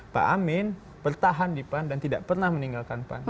pak amin bertahan di pan dan tidak pernah meninggalkan pan